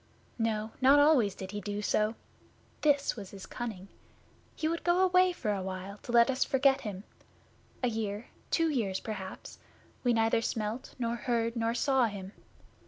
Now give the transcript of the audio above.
No not always did he do so! This was his cunning! He would go away for a while to let us forget him. A year two years perhaps we neither smelt, nor heard, nor saw him.